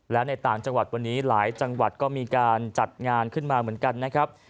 และในต่างจังหวัดวันนี้หลายจังหวัดก็มีการจัดงานขึ้นมาเหมือนกันนะครับ